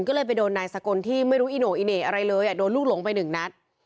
ก็เลยไปโดนนายสกลที่ไม่รู้อีโน่อีเหน่อะไรเลยอ่ะโดนลูกหลงไปหนึ่งนัด